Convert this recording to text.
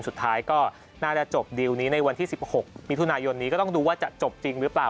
สุดท้ายก็น่าจะจบดีลนี้ในวันที่๑๖มิถุนายนนี้ก็ต้องดูว่าจะจบจริงหรือเปล่า